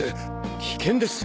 危険です！